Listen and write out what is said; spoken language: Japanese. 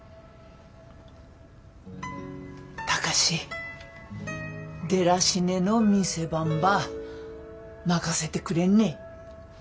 貴司デラシネの店番ば任せてくれんね。